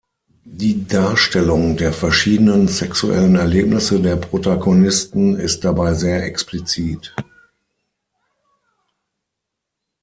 Die Darstellung der verschiedenen sexuellen Erlebnisse der Protagonisten ist dabei sehr explizit.